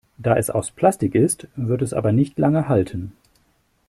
Da es aus Plastik ist, wird es aber nicht lange halten.